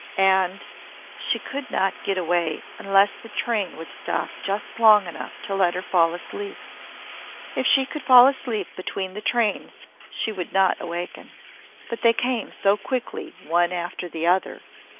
And she could not get away unless the train would stop just long enough to let her fall asleep. If she could fall asleep between the trains, she would not awaken. But they came so quickly one after the other.